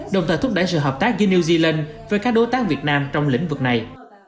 đồng thời thúc đẩy sự hợp tác giữa new zealand với các đối tác việt nam trong lĩnh vực này